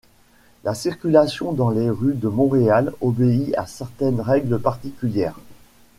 La circulation dans les rues de Montréal obéit à certaines règles particulières.